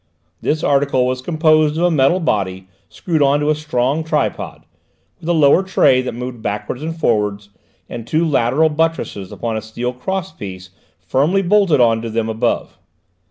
This article was composed of a metal body screwed on to a strong tripod, with a lower tray that moved backwards and forwards, and two lateral buttresses with a steel cross piece firmly bolted on to them above.